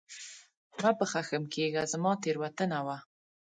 مه په خښم کېږه ، زما تېروتنه وه !